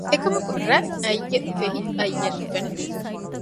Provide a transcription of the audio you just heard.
އެކަމަކު ރަތް އައްޔެއް ފެހި އައްޔެއް ނުފެނެ